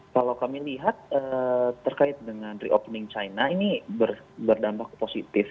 kalau kami lihat terkait dengan reopening china ini berdampak positif